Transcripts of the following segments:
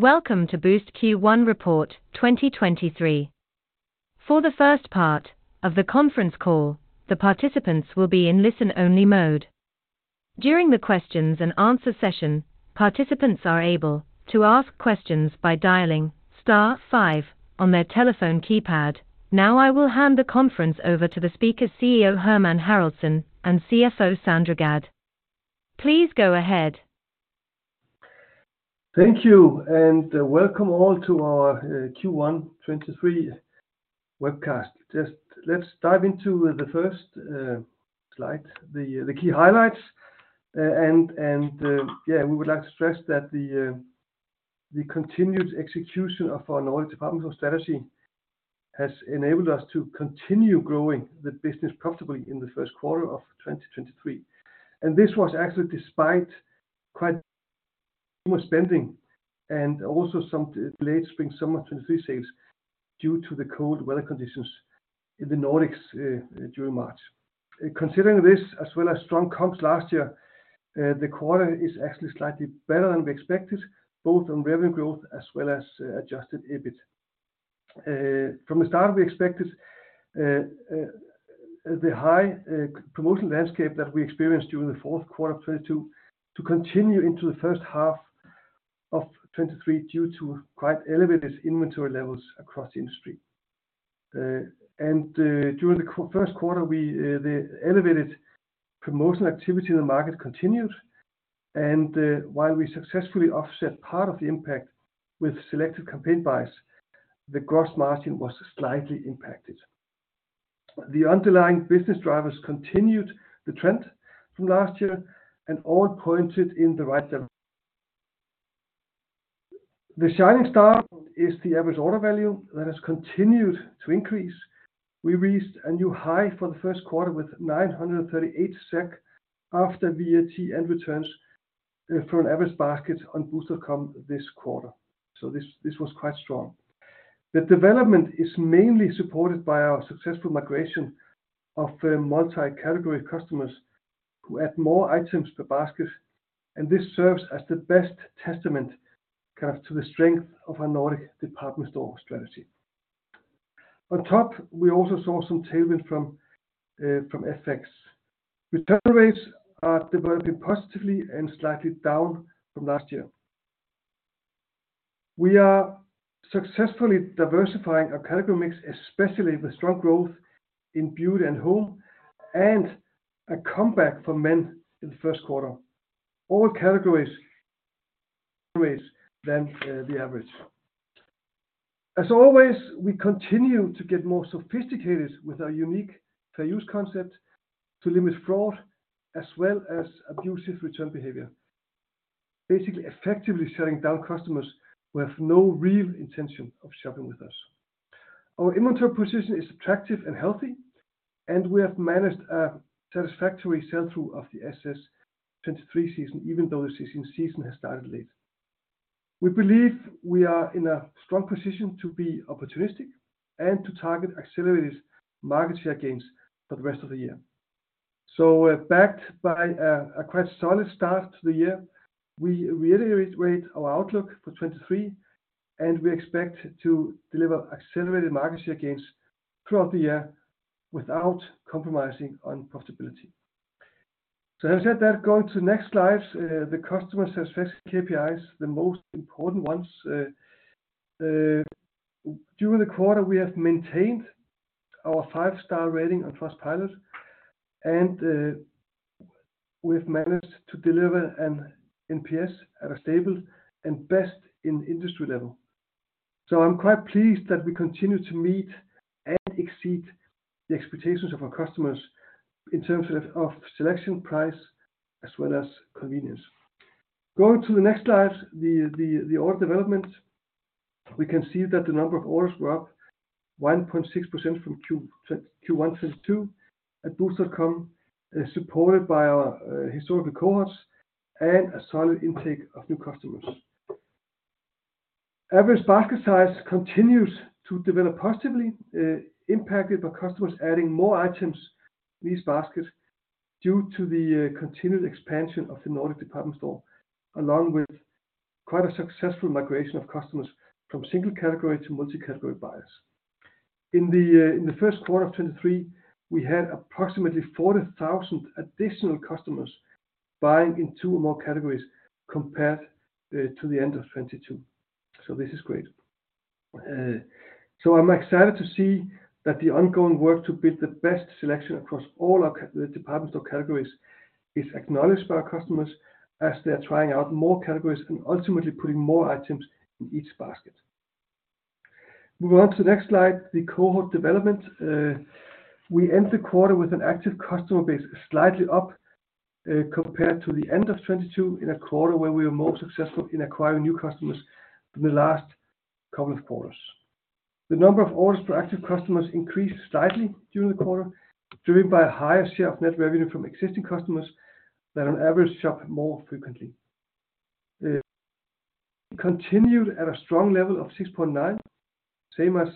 Welcome to Boozt Q1 report 2023. For the first part of the conference call, the participants will be in listen-only mode. During the questions and answer session, participants are able to ask questions by dialing star five on their telephone keypad. I will hand the conference over to the speakers CEO, Hermann Haraldsson, and CFO, Sandra Gadd. Please go ahead. Thank you, and welcome all to our Q1 2023 webcast. Just let's dive into the first slide, the key highlights. Yeah, we would like to stress that the continued execution of our Nordic Department Store strategy has enabled us to continue growing the business profitably in the Q1 of 2023. This was actually despite quite summer spending and also some late spring, summer 2023 sales due to the cold weather conditions in the Nordics during March. Considering this as well as strong comps last year, the quarter is actually slightly better than we expected, both on revenue growth as well as adjusted EBIT. From the start, we expected the high promotion landscape that we experienced during the Q4 of 2022 to continue into the H1 of 2023 due to quite elevated inventory levels across the industry. During the Q1, the elevated promotional activity in the market continued, while we successfully offset part of the impact with selected campaign buys, the gross margin was slightly impacted. The underlying business drivers continued the trend from last year and all pointed in the right direction. The shining star is the average order value that has continued to increase. We reached a new high for the Q1 with 938 SEK after VAT and returns for an average basket on Boozt.com this quarter. This was quite strong. The development is mainly supported by our successful migration of multi-category customers who add more items per basket. This serves as the best testament, kind of to the strength of our Nordic Department Store strategy. On top, we also saw some tailwind from FX. Return rates are developing positively and slightly down from last year. We are successfully diversifying our category mix, especially with strong growth in beauty and home and a comeback for men in the Q1. All categories raise than the average. As always, we continue to get more sophisticated with our unique pay-as-you-use concept to limit fraud as well as abusive return behavior, basically effectively shutting down customers who have no real intention of shopping with us. Our inventory position is attractive and healthy, and we have managed a satisfactory sell-through of the SS23 season, even though the season has started late. We believe we are in a strong position to be opportunistic and to target accelerated market share gains for the rest of the year. We're backed by a quite solid start to the year. We reiterate our outlook for 2023, and we expect to deliver accelerated market share gains throughout the year without compromising on profitability. Having said that, going to the next slides, the customer satisfaction KPIs, the most important ones. During the quarter, we have maintained our five star rating on Trustpilot, and we've managed to deliver an NPS at a stable and best in industry level. I'm quite pleased that we continue to meet and exceed the expectations of our customers in terms of selection, price, as well as convenience. Going to the next slides, the order development, we can see that the number of orders were up 1.6% from Q1 2022 at Boozt.com, supported by our historical cohorts and a solid intake of new customers. Average basket size continues to develop positively, impacted by customers adding more items in each basket due to the continued expansion of the Nordic Department Store, along with quite a successful migration of customers from single category to multi-category buyers. In the Q1 of 2023, we had approximately 40,000 additional customers buying in two or more categories compared to the end of 2022. This is great. I'm excited to see that the ongoing work to build the best selection across all the Department Store categories is acknowledged by our customers as they're trying out more categories and ultimately putting more items in each basket. Moving on to the next slide, the cohort development. We end the quarter with an active customer base slightly up compared to the end of 2022 in a quarter where we were more successful in acquiring new customers than the last couple of quarters. The number of orders per active customers increased slightly during the quarter, driven by a higher share of net revenue from existing customers that on average shop more frequently. Continued at a strong level of 6.9. Same as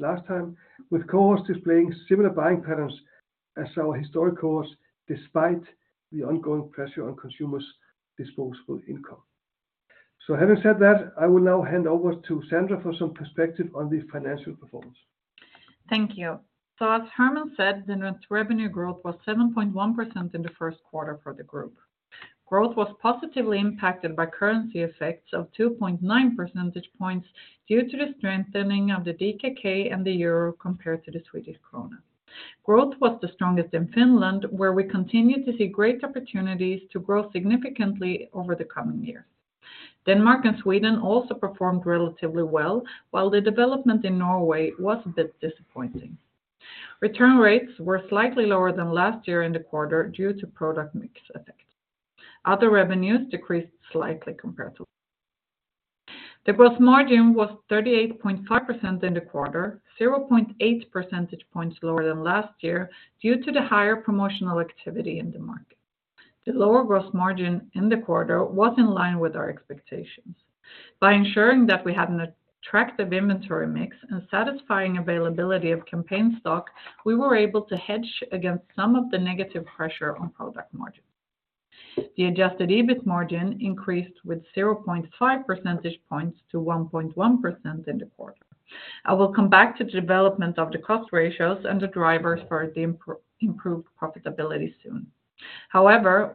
last time, with cohorts displaying similar buying patterns as our historic cohorts despite the ongoing pressure on consumers' disposable income. Having said that, I will now hand over to Sandra for some perspective on the financial performance. Thank you. As Hermann said, the net revenue growth was 7.1% in the Q1 for the group. Growth was positively impacted by currency effects of 2.9% points due to the strengthening of the DKK and the euro compared to the Swedish krona. Growth was the strongest in Finland, where we continue to see great opportunities to grow significantly over the coming years. Denmark and Sweden also performed relatively well, while the development in Norway was a bit disappointing. Return rates were slightly lower than last year in the quarter due to product mix effect. Other revenues decreased slightly compared to. The gross margin was 38.5% in the quarter, 0.8% points lower than last year due to the higher promotional activity in the market. The lower gross margin in the quarter was in line with our expectations. By ensuring that we had an attractive inventory mix and satisfying availability of campaign stock, we were able to hedge against some of the negative pressure on product margin. The adjusted EBIT margin increased with 0.5% points to 1.1% in the quarter. I will come back to the development of the cost ratios and the drivers for the improved profitability soon.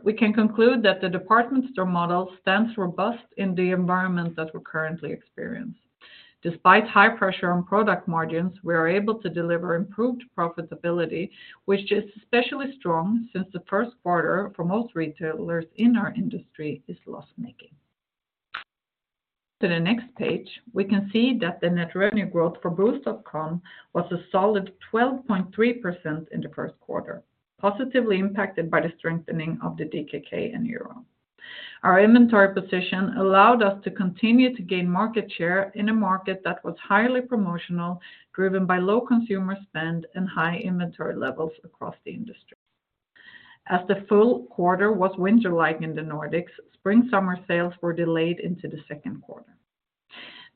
We can conclude that the department store model stands robust in the environment that we currently experience. Despite high pressure on product margins, we are able to deliver improved profitability, which is especially strong since the Q1 for most retailers in our industry is loss-making. To the next page, we can see that the net revenue growth for Boozt.com was a solid 12.3% in the Q1, positively impacted by the strengthening of the DKK and EUR. Our inventory position allowed us to continue to gain market share in a market that was highly promotional, driven by low consumer spend and high inventory levels across the industry. As the full quarter was winter-like in the Nordics, spring/summer sales were delayed into the Q2.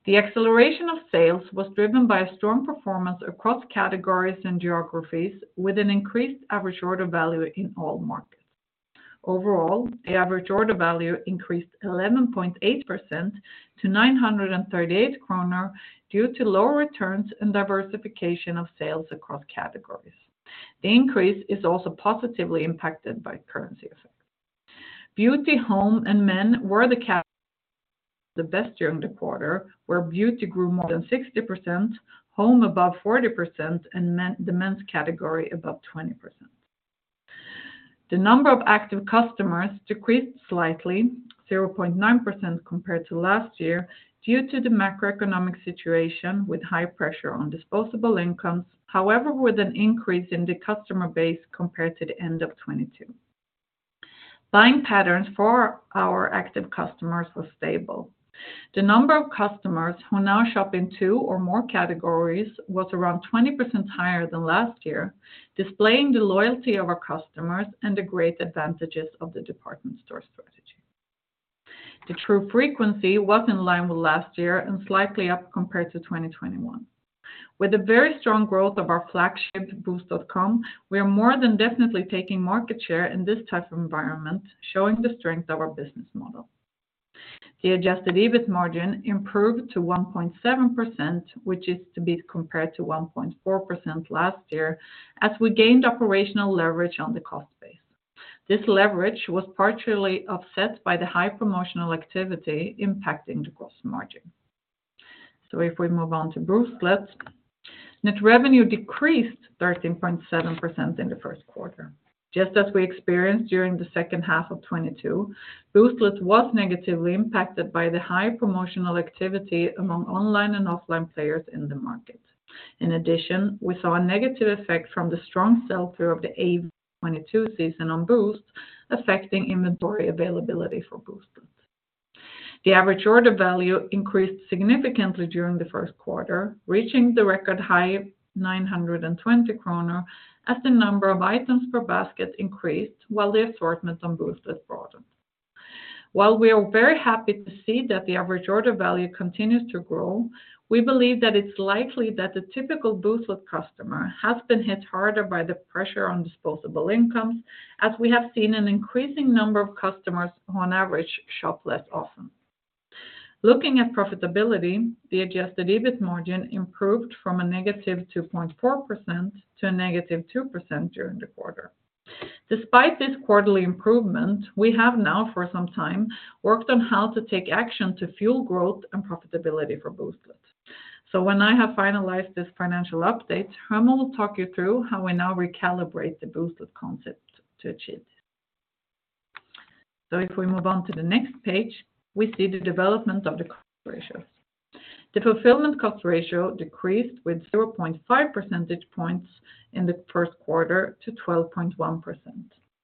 The acceleration of sales was driven by a strong performance across categories and geographies with an increased average order value in all markets. Overall, the average order value increased 11.8% to 938 kronor due to lower returns and diversification of sales across categories. The increase is also positively impacted by currency effect. Beauty, home, and men were the categories that performed the best during the quarter, where beauty grew more than 60%, home above 40%, and the men's category above 20%. The number of active customers decreased slightly, 0.9% compared to last year, due to the macroeconomic situation with high pressure on disposable incomes. With an increase in the customer base compared to the end of 2022. Buying patterns for our active customers was stable. The number of customers who now shop in two or more categories was around 20% higher than last year, displaying the loyalty of our customers and the great advantages of the department store strategy. The true frequency was in line with last year and slightly up compared to 2021. With the very strong growth of our flagship, Boozt.com, we are more than definitely taking market share in this type of environment, showing the strength of our business model. The adjusted EBIT margin improved to 1.7%, which is to be compared to 1.4% last year, as we gained operational leverage on the cost base. This leverage was partially offset by the high promotional activity impacting the gross margin. If we move on to Booztlet, net revenue decreased 13.7% in the Q1. Just as we experienced during the H2 of 2022, Booztlet was negatively impacted by the high promotional activity among online and offline players in the market. In addition, we saw a negative effect from the strong sell-through of the AW22 season on Boozt, affecting inventory availability for Booztlet. The average order value increased significantly during the Q1, reaching the record high 920 kronor as the number of items per basket increased while the assortment on Booztlet broadened. While we are very happy to see that the average order value continues to grow, we believe that it's likely that the typical Booztlet customer has been hit harder by the pressure on disposable incomes, as we have seen an increasing number of customers who on average shop less often. Looking at profitability, the adjusted EBIT margin improved from a -2.4% to a -2% during the quarter. Despite this quarterly improvement, we have now for some time worked on how to take action to fuel growth and profitability for Booztlet. When I have finalized this financial update, Hermann will talk you through how we now recalibrate the Booztlet concept to achieve this. If we move on to the next page, we see the development of the cost ratios. The fulfillment cost ratio decreased with 0.5% points in the Q1 to 12.1%.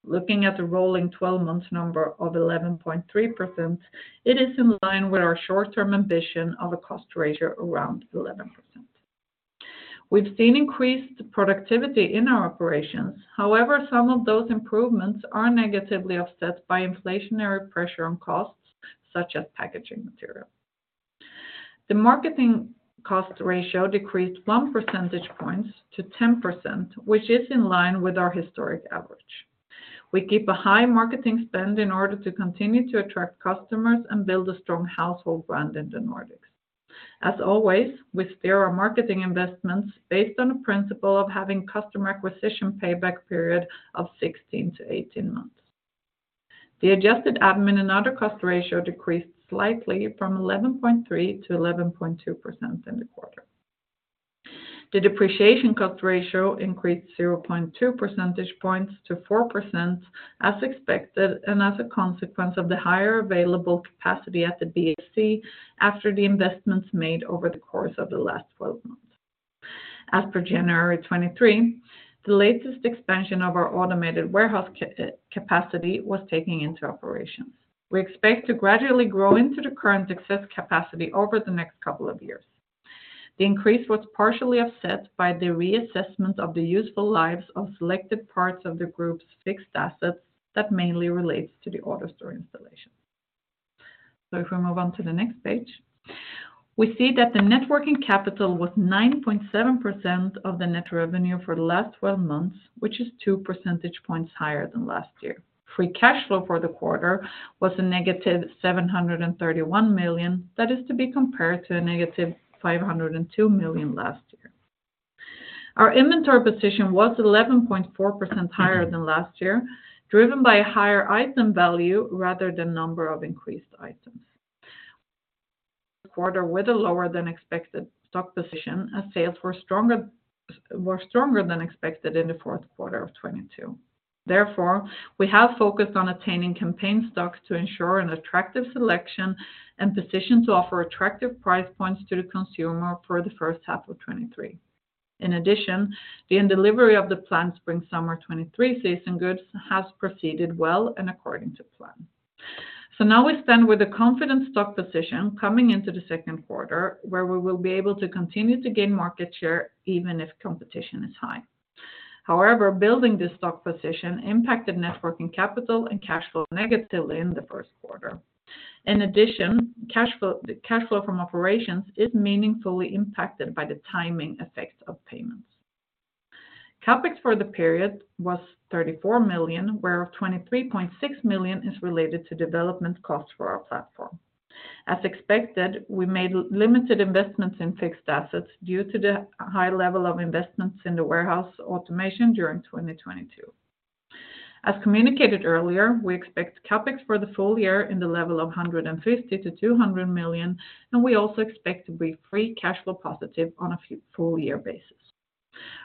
Looking at the rolling 12-month number of 11.3%, it is in line with our short-term ambition of a cost ratio around 11%. We've seen increased productivity in our operations. However, some of those improvements are negatively offset by inflationary pressure on costs such as packaging material. The marketing cost ratio decreased 1% points to 10%, which is in line with our historic average. We keep a high marketing spend in order to continue to attract customers and build a strong household brand in the Nordics. As always, we steer our marketing investments based on a principle of having customer acquisition payback period of 16-18 months. The adjusted admin and other cost ratio decreased slightly from 11.3 to 11.2% in the quarter. The depreciation cost ratio increased 0.2% points to 4% as expected. As a consequence of the higher available capacity at the BHC after the investments made over the course of the last 12 months. As per January 23, the latest expansion of our automated warehouse capacity was taking into operation. We expect to gradually grow into the current excess capacity over the next couple of years. The increase was partially offset by the reassessment of the useful lives of selected parts of the group's fixed assets that mainly relates to the AutoStore installation. If we move on to the next page, we see that the net working capital was 9.7% of the net revenue for the last 12 months, which is 2% points higher than last year. Free cash flow for the quarter was a negative 731 million. That is to be compared to a negative 502 million last year. Our inventory position was 11.4% higher than last year, driven by higher item value rather than number of increased items. Quarter with a lower than expected stock position as sales were stronger than expected in the Q4 of 2022. Therefore, we have focused on attaining campaign stocks to ensure an attractive selection and position to offer attractive price points to the consumer for the H1 of 2023. In addition, the delivery of the planned spring/summer 2023 season goods has proceeded well and according to plan. Now we stand with a confident stock position coming into the Q2, where we will be able to continue to gain market share even if competition is high. Building this stock position impacted net working capital and cash flow negatively in the Q1. In addition, cash flow from operations is meaningfully impacted by the timing effects of payments. CapEx for the period was 34 million, whereof 23.6 million is related to development costs for our platform. As expected, we made limited investments in fixed assets due to the high level of investments in the warehouse automation during 2022. As communicated earlier, we expect CapEx for the full year in the level of 150 million-200 million. We also expect to be free cash flow positive on a full year basis.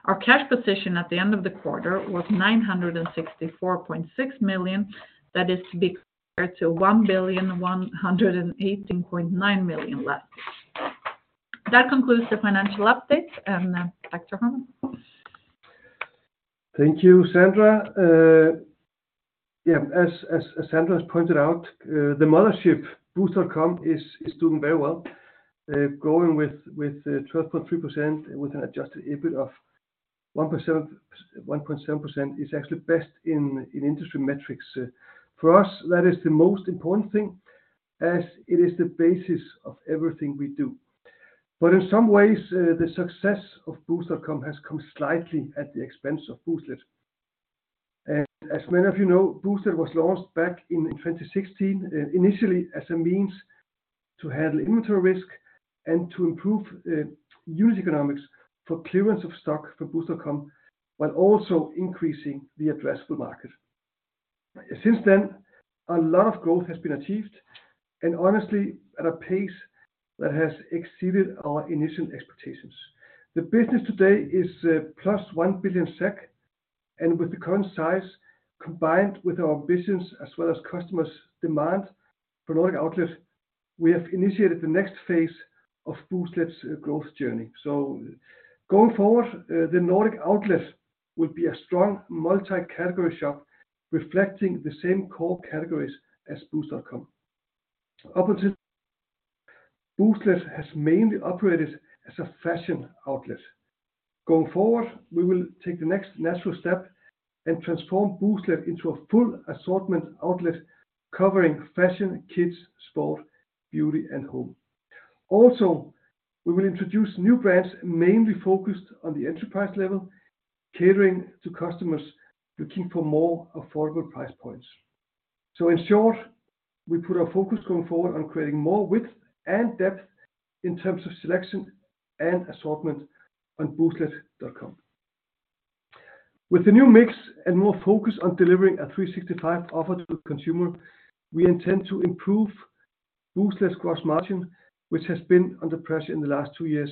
Our cash position at the end of the quarter was 964.6 million. That is to be compared to 1,118.9 million last year. That concludes the financial update. Back to Hermann. Thank you, Sandra. As Sandra has pointed out, the mothership, Boozt.com is doing very well. Growing with 12.3% with an adjusted EBIT of 1.7% is actually best in industry metrics. For us, that is the most important thing as it is the basis of everything we do. In some ways, the success of Boozt.com has come slightly at the expense of Booztlet. As many of you know, Booztlet was launched back in 2016, initially as a means to handle inventory risk and to improve user economics for clearance of stock for Boozt.com, while also increasing the addressable market. Since then, a lot of growth has been achieved, and honestly, at a pace that has exceeded our initial expectations. The business today is +1 billion SEK. With the current size, combined with our ambitions as well as customers' demand for Nordic Outlet, we have initiated the next phase of Booztlet's growth journey. Going forward, the Nordic Outlet will be a strong multi-category shop reflecting the same core categories as Boozt.com. Up until Booztlet has mainly operated as a fashion outlet. Going forward, we will take the next natural step and transform Booztlet into a full assortment outlet covering fashion, kids, sport, beauty, and home. We will introduce new brands mainly focused on the entry-level, catering to customers looking for more affordable price points. In short, we put our focus going forward on creating more width and depth in terms of selection and assortment on Booztlet.com. With the new mix and more focus on delivering a 365 offer to the consumer, we intend to improve Booztlet's gross margin, which has been under pressure in the last two years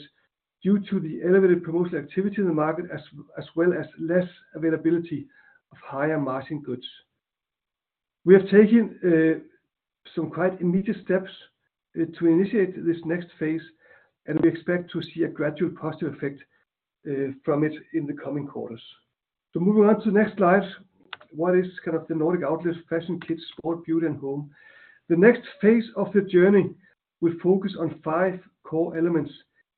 due to the elevated promotional activity in the market, as well as less availability of higher margin goods. We have taken some quite immediate steps to initiate this next phase, and we expect to see a gradual positive effect from it in the coming quarters. Moving on to the next slide. What is kind of the Nordic Outlet fashion, kids, sport, beauty, and home. The next phase of the journey will focus on five core elements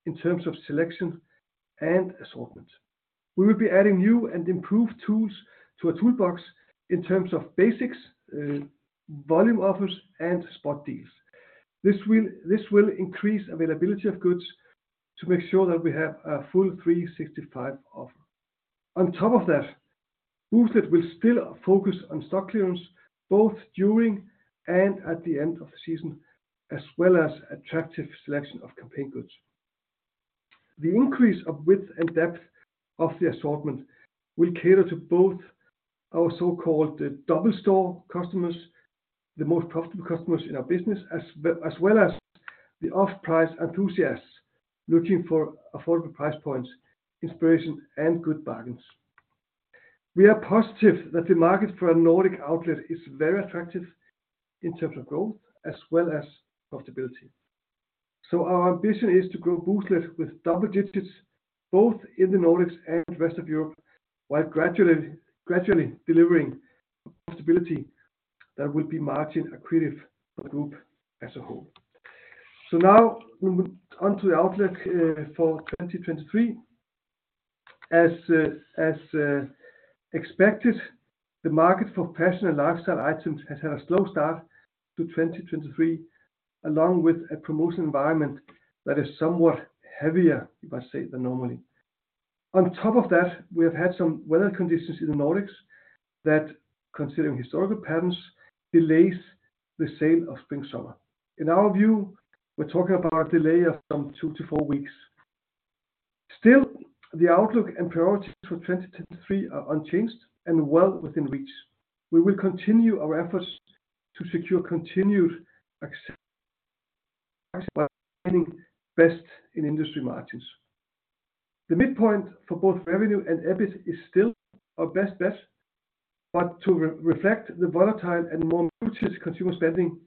in terms of selection and assortment. We will be adding new and improved tools to our toolbox in terms of basics, volume offers, and spot deals. This will increase availability of goods to make sure that we have a full 365 offer. On top of that, Booztlet will still focus on stock clearance both during and at the end of the season, as well as attractive selection of campaign goods. The increase of width and depth of the assortment will cater to both our so-called double store customers, the most profitable customers in our business, as well as the off-price enthusiasts looking for affordable price points, inspiration, and good bargains. We are positive that the market for a Nordic Outlet is very attractive in terms of growth as well as profitability. Our ambition is to grow Booztlet with double digits both in the Nordics and rest of Europe, while gradually delivering profitability that will be margin accretive for the group as a whole. Now we move on to the outlook for 2023. As expected, the market for fashion and lifestyle items has had a slow start to 2023, along with a promotion environment that is somewhat heavier, if I say, than normally. On top of that, we have had some weather conditions in the Nordics that, considering historical patterns, delays the sale of Spring/Summer. In our view, we are talking about a delay of some two to four weeks. Still, the outlook and priorities for 2023 are unchanged and well within reach. We will continue our efforts to secure continued access by finding best in industry margins. The midpoint for both revenue and EBIT is still our best bet, but to re-reflect the volatile and more cautious consumer spending,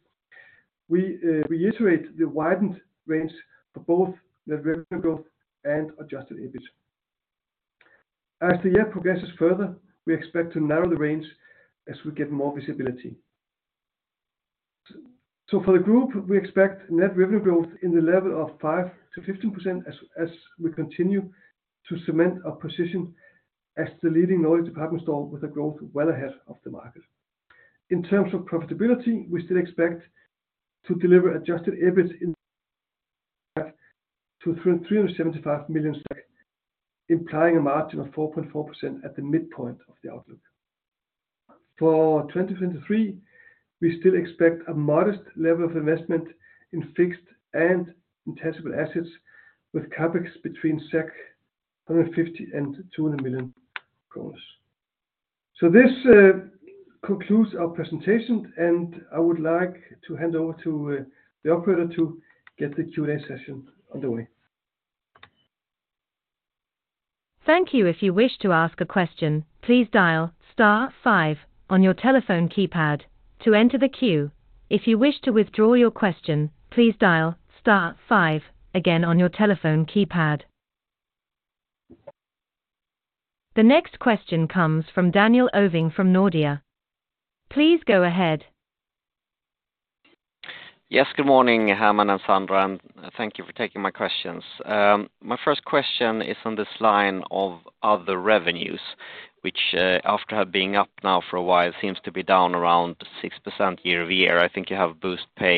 we reiterate the widened range for both net revenue growth and adjusted EBIT. As the year progresses further, we expect to narrow the range as we get more visibility. For the group, we expect net revenue growth in the level of 5%-15% as we continue to cement our position as the leading Nordic Department Store with a growth well ahead of the market. In terms of profitability, we still expect to deliver adjusted EBIT in that to 375 million SEK, implying a margin of 4.4% at the midpoint of the outlook. For 2023, we still expect a modest level of investment in fixed and intangible assets with CapEx between 150 million and SEK 200 million. This concludes our presentation, and I would like to hand over to the operator to get the Q&A session underway. Thank you. If you wish to ask a question, please dial star five on your telephone keypad to enter the queue. If you wish to withdraw your question, please dial star five again on your telephone keypad. The next question comes from Daniel Ovin from Nordea. Please go ahead. Yes, good morning, Hermann and Sandra, thank you for taking my questions. My first question is on this line of other revenues, which after being up now for a while, seems to be down around 6% year-over-year. I think you have BooztPay,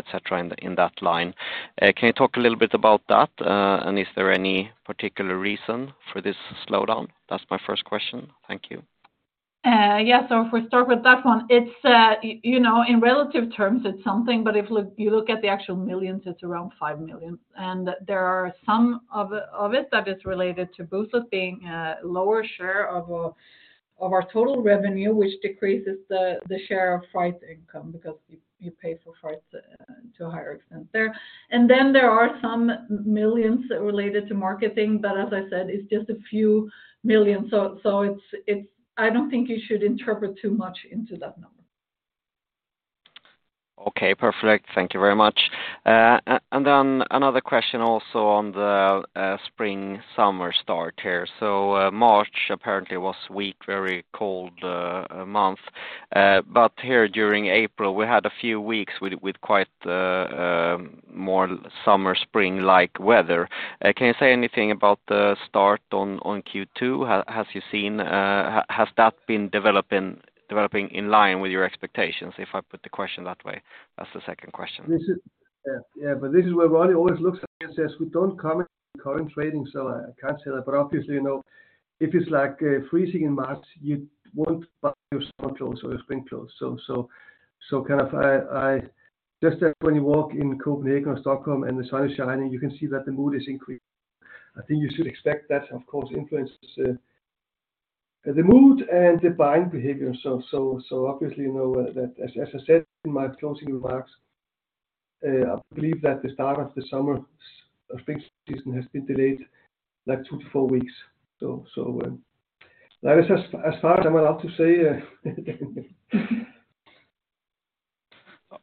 et cetera, in that line. Can you talk a little bit about that? Is there any particular reason for this slowdown? That's my first question. Thank you. Yeah. If we start with that one, it's, you know, in relative terms it's something, but if you look at the actual millions, it's around 5 million. There are some of it that is related to Booztlet being a lower share of our total revenue, which decreases the share of freight income because you pay for freights to a higher extent there. There are some millions related to marketing, but as I said, it's just a few million. It's I don't think you should interpret too much into that number. Okay, perfect. Thank you very much. Then another question also on the spring/summer start here. March apparently was weak, very cold month. Here during April, we had a few weeks with quite more summer, spring-like weather. Can you say anything about the start on Q2? Has you seen, has that been developing in line with your expectations, if I put the question that way? That's the second question. This is where Ronnie always looks at me and says, "We don't comment on current trading," I can't say that. Obviously, you know, if it's like freezing in March, you won't buy your summer clothes or your spring clothes. When you walk in Copenhagen or Stockholm and the sun is shining, you can see that the mood is increased. I think you should expect that, of course, influences the mood and the buying behavior. Obviously, you know, that as I said in my closing remarks, I believe that the start of the summer or spring season has been delayed like two to five weeks. That is as far as I'm allowed to say.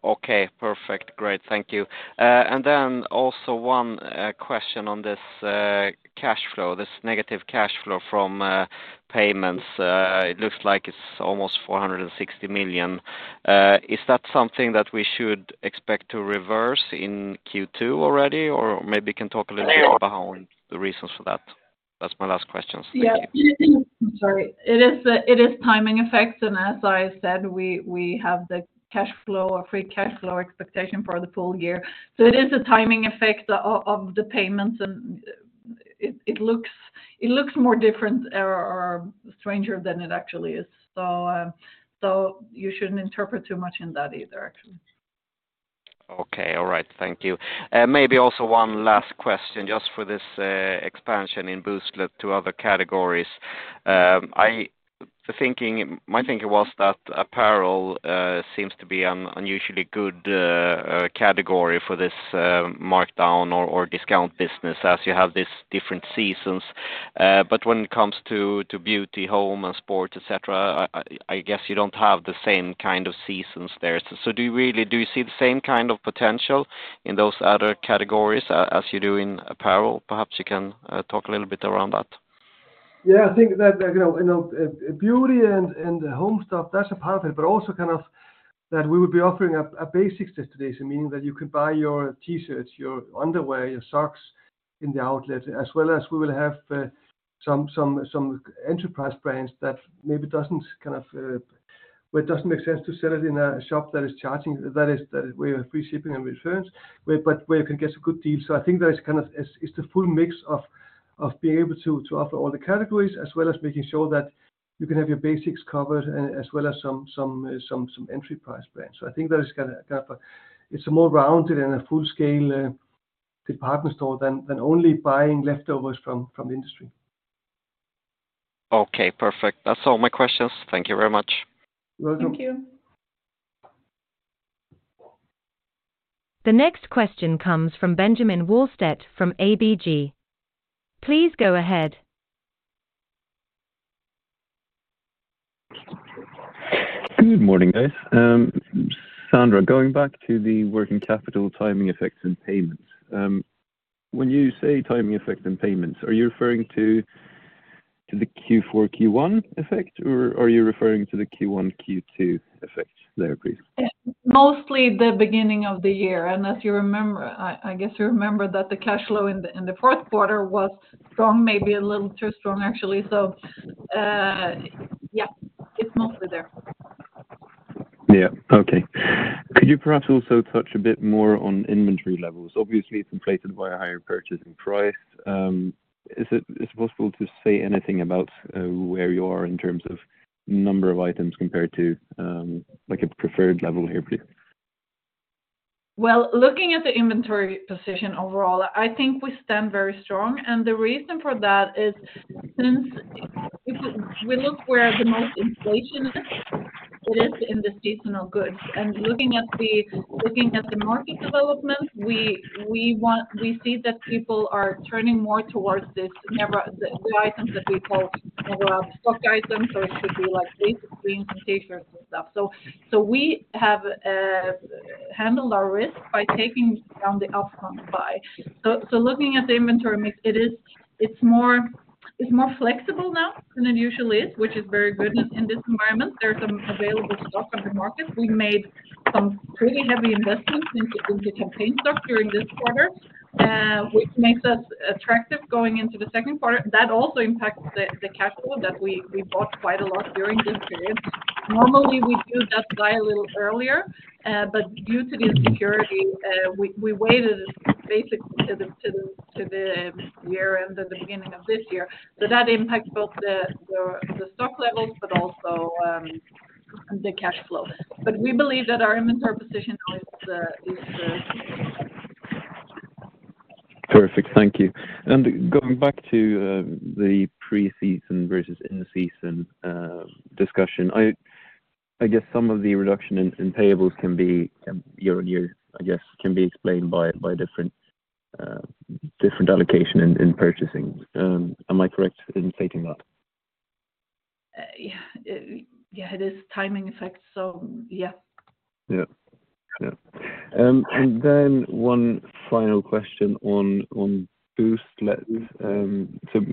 Okay, perfect. Great. Thank you. Also one question on this cash flow, this negative cash flow from payments. It looks like it's almost 460 million. Is that something that we should expect to reverse in Q2 already? Maybe you can talk a little bit about the reasons for that. That's my last questions. Thank you. Yeah. I'm sorry. It is timing effects. As I said, we have the cash flow or free cash flow expectation for the full year. It is a timing effect of the payments, and it looks more different or stranger than it actually is. You shouldn't interpret too much in that either, actually. hank you. maybe also one last question, just for this expansion in Booztlet to other categories. My thinking was that apparel seems to be an unusually good category for this markdown or discount business as you have these different seasons. But when it comes to beauty, home, and sports, et cetera, I guess you don't have the same kind of seasons there. Do you really see the same kind of potential in those other categories as you do in apparel? Perhaps you can talk a little bit around that Yeah, I think that, you know, beauty and home stuff, that's a part of it, but also kind of that we would be offering a basics destination, meaning that you could buy your T-shirts, your underwear, your socks in the outlet, as well as we will have some entry-level brands that maybe doesn't kind of where it doesn't make sense to sell it in a shop that is charging, that we have free shipping and returns, but where you can get a good deal. I think that is kind of... It's the full mix of being able to offer all the categories as well as making sure that you can have your basics covered as well as some entry-level brands. I think that is kind of a... It's a more rounded and a full-scale department store than only buying leftovers from industry. Okay, perfect. That's all my questions. Thank you very much. You're welcome. Thank you. The next question comes from Benjamin Wahlstedt from ABG. Please go ahead. Good morning, guys. Sandra, going back to the working capital timing effects and payments. When you say timing effect and payments, are you referring to the Q4, Q1 effect, or are you referring to the Q1, Q2 effect there, please? Mostly the beginning of the year. As you remember, I guess you remember that the cash flow in the Q4 was strong, maybe a little too strong, actually. Yeah, it's mostly there. Yeah. Okay. Could you perhaps also touch a bit more on inventory levels? Obviously, it's inflated by a higher purchasing price. Is it possible to say anything about where you are in terms of number of items compared to like a preferred level here, please? Well, looking at the inventory position overall, I think we stand very strong. The reason for that is since if we look where the most inflation is, it is in the seasonal goods. Looking at the market development, we see that people are turning more towards this never out-of-stock items. It could be like basics, greens, and t-shirts and stuff. We have handled our risk by taking down the outcome buy. Looking at the inventory mix, it is, it's more flexible now than it usually is, which is very good in this environment. There's some available stock on the market. We made some pretty heavy investments into campaign stock during this quarter, which makes us attractive going into the Q2. That also impacts the cash flow that we bought quite a lot during this period. Normally, we do that buy a little earlier, but due to the insecurity, we waited basically to the year end or the beginning of this year. That impacts both the stock levels, but also the cash flow. We believe that our inventory position now is. Perfect. Thank you. Going back to the pre-season versus in-season discussion. I guess some of the reduction in payables can be year on year, I guess, can be explained by different allocation in purchasing. Am I correct in stating that? Yeah, it is timing effects, yeah. Yeah. Yeah. One final question on Booztlet.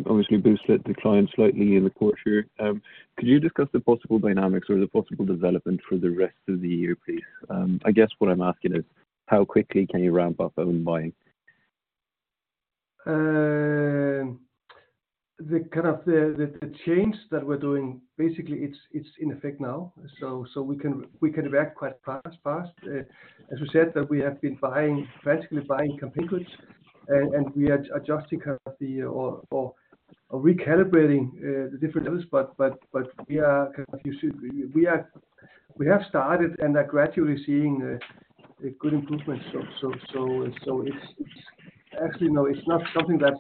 Obviously, Booztlet declined slightly in the quarter. Could you discuss the possible dynamics or the possible development for the rest of the year, please? I guess what I'm asking is how quickly can you ramp up own buying? The kind of the change that we're doing, basically, it's in effect now. We can react quite fast. As we said that we have been buying, practically buying campaign goods, and we are adjusting kind of the or recalibrating the different levels. We are kind of We have started and are gradually seeing a good improvement. It's actually, no, it's not something that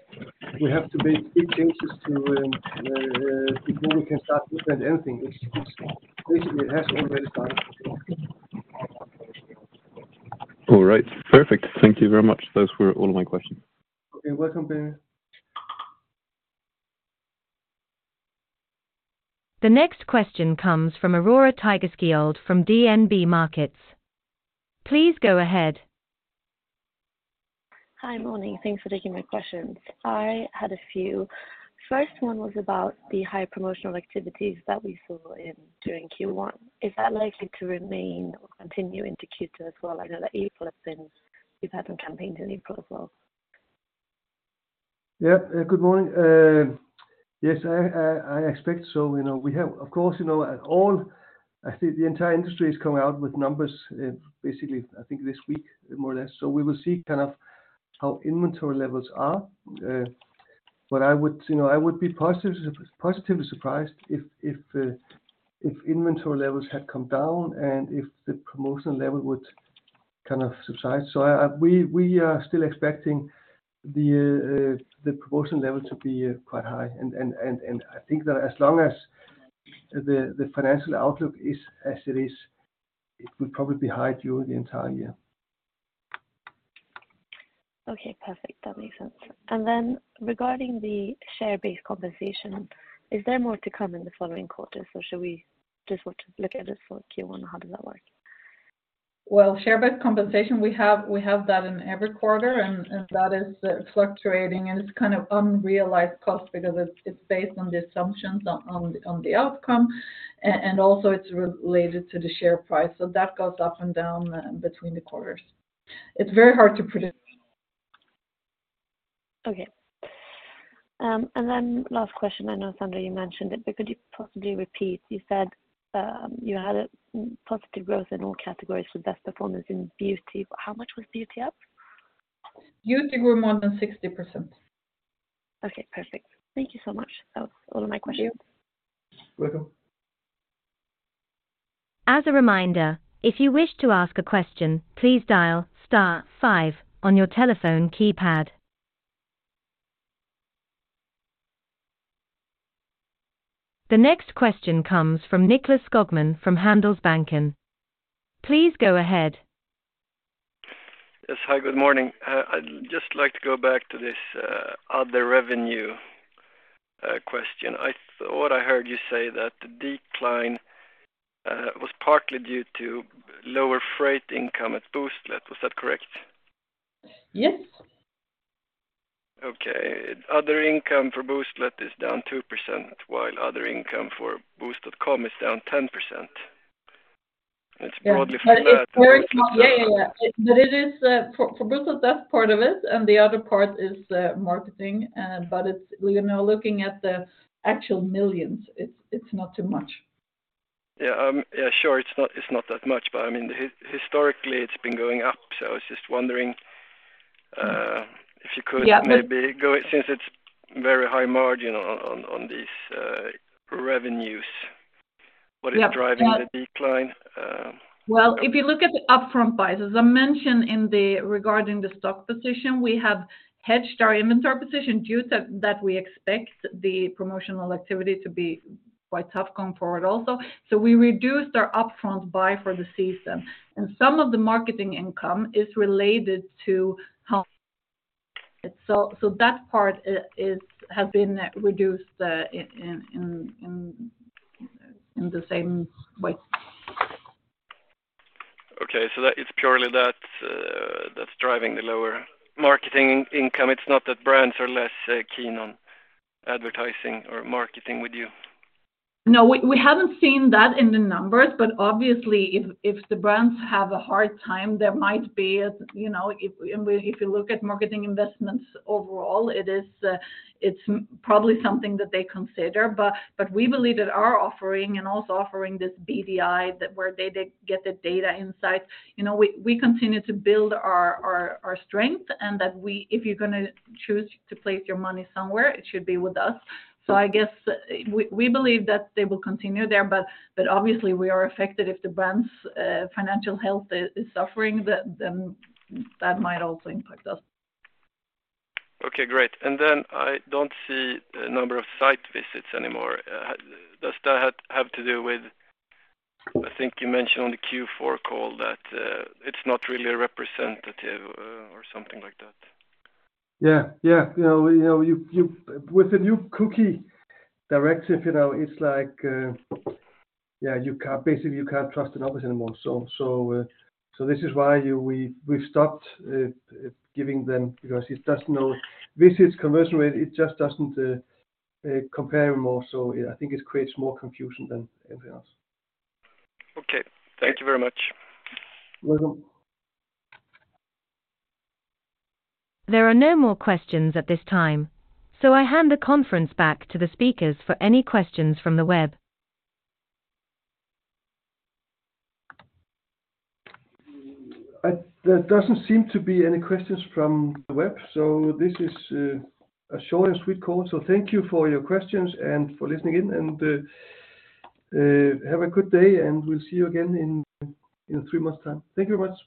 we have to make big changes to before we can start to present anything. It's basically, it has already started. All right. Perfect. Thank you very much. Those were all my questions. You're welcome, Benjamin. The next question comes from Aurora Tigerschiöld from DNB Markets. Please go ahead. Hi. Morning. Thanks for taking my questions. I had a few. First one was about the high promotional activities that we saw during Q1. Is that likely to remain or continue into Q2 as well? I know that April has been. You've had some campaigns in April as well. Yeah. Good morning. Yes, I, I expect so. You know, Of course, you know, at all, I think the entire industry is coming out with numbers, basically, I think this week, more or less. We will see kind of how inventory levels are. I would, you know, I would be positive, positively surprised if inventory levels had come down and if the promotion level would kind of subside. We are still expecting the promotion level to be quite high. I think that as long as the financial outlook is as it is, it will probably be high during the entire year. Okay. Perfect. That makes sense. Then regarding the share-based compensation, is there more to come in the following quarters, or should we just want to look at it for Q1? How does that work? Well, share-based compensation, we have that in every quarter. That is fluctuating, and it's kind of unrealized cost because it's based on the assumptions on the outcome. Also it's related to the share price. That goes up and down between the quarters. It's very hard to predict. Okay. Last question. I know, Sandra, you mentioned it, but could you possibly repeat? You said, you had a positive growth in all categories with best performance in beauty, but how much was beauty up? Beauty grew more than 60%. Perfect. Thank you so much. That was all of my questions. Thank you. Welcome. As a reminder, if you wish to ask a question, please dial star five on your telephone keypad. The next question comes from Nicklas Skogman from Handelsbanken. Please go ahead. Yes. Hi, good morning. I'd just like to go back to this other revenue question. I thought I heard you say that the decline was partly due to lower freight income at Booztlet. Was that correct? Yes. Okay. Other income for Booztlet is down 2%, while other income for Boozt.com is down 10%. It's broadly from that. Yeah. It's very small. Yeah, yeah. It is for Booztlet, that's part of it, and the other part is marketing. When you're looking at the actual millions, it's not too much. Yeah. Yeah, sure. It's not, it's not that much, but, I mean, historically it's been going up. I was just wondering, if you could... Yeah. Since it's very high margin on these revenues. Yeah. What is driving the decline? If you look at the upfront buys, as I mentioned regarding the stock position, we have hedged our inventory position due to that we expect the promotional activity to be quite tough going forward also. We reduced our upfront buy for the season, and some of the marketing income is related to how it. That part has been reduced in the same way. Okay. That it's purely that that's driving the lower marketing income. It's not that brands are less keen on advertising or marketing with you. We haven't seen that in the numbers, but obviously if the brands have a hard time, there might be, you know, if you look at marketing investments overall, it's probably something that they consider. We believe that our offering and also offering this BDI that where they get the data insight, you know, we continue to build our strength if you're gonna choose to place your money somewhere, it should be with us. I guess we believe that they will continue there, but obviously we are affected if the brands' financial health is suffering, then that might also impact us. Okay. Great. Then I don't see the number of site visits anymore. Does that have to do with? I think you mentioned on the Q4 call that it's not really representative or something like that. Yeah. You know, you With the new cookie directive, you know, it's like, yeah, basically you can't trust the numbers anymore. This is why we've stopped giving them because it does no, Visits conversion rate, it just doesn't compare anymore. Yeah, I think it creates more confusion than anything else. Okay. Thank you very much. Welcome. There are no more questions at this time. I hand the conference back to the speakers for any questions from the web. There doesn't seem to be any questions from the web, so this is a short and sweet call. Thank you for your questions and for listening in and have a good day, and we'll see you again in three months' time. Thank you very much.